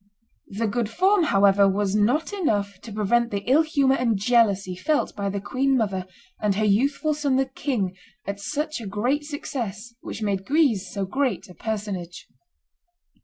] The good form, however, was not enough to prevent the ill humor and jealousy felt by the queen mother and her youthful son the king at such a great success which made Guise so great a personage.